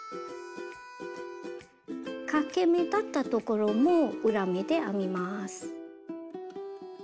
かけ目だったところも裏目で編みます。